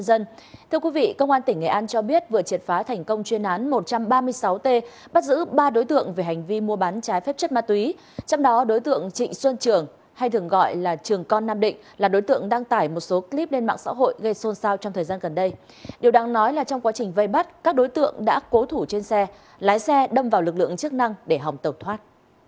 điều đáng nói là trong quá trình vây bắt các đối tượng đã cố thủ trên xe lái xe đâm vào lực lượng chức năng để hòng tàu thoát